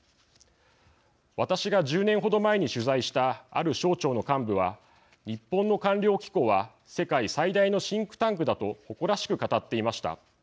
私が１０年程前に取材したある省庁の幹部は日本の官僚機構は世界最大のシンクタンクだ、と誇らしく語っていました。